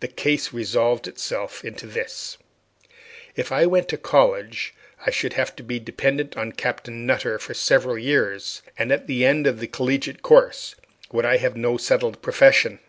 The case resolved itself into this: If I went to college, I should have to be dependent on Captain Nutter for several years, and at the end of the collegiate course would have no settled profession.